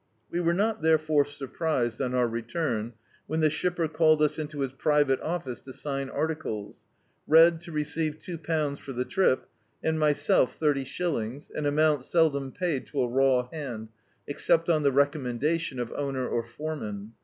We were not therefore surprised, on our return, when the ship per called us into his private office to sign articles — Red to receive two pounds for the trip, and myself D,i.,.db, Google The Autobiography of a Supcr Tramp thirty shillings, an amount seldom paid to a raw hand, except on the recommendation of owner or foreman.